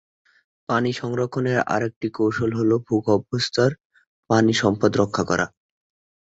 পানি সংরক্ষণের আরেকটি কৌশল হচ্ছে ভূগর্ভস্থ পানি সম্পদ রক্ষা করা।